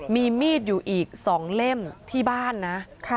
มีมีดอยู่อีก๒เล่มที่บ้านนะ